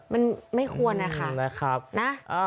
มันไม่ควรนะคะนะครับนะ